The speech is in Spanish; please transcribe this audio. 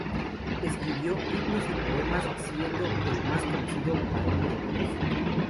Escribió himnos y poemas, siendo el más conocido "Varón de Dolores".